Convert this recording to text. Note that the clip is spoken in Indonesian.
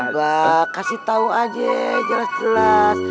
bebak kasih tau aja jelas jelas